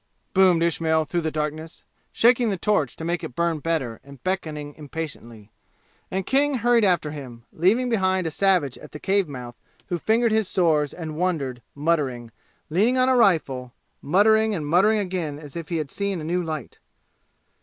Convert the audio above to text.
boomed Ismail through the darkness, shaking the torch to make it burn better and beckoning impatiently, and King hurried after him, leaving behind a savage at the cave mouth who fingered his sores and wondered, muttering, leaning on a rifle, muttering and muttering again as if he had seen a new light.